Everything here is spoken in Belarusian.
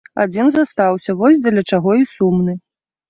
Адзін застаўся, вось дзеля чаго і сумны.